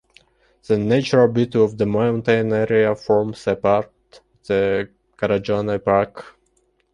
The natural beauty of the mountain area forms a part of the Garajonay Park.